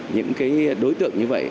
những cái đối tượng như vậy